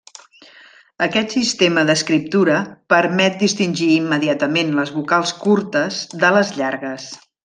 Aquest sistema d'escriptura permet distingir immediatament les vocals curtes de les llargues.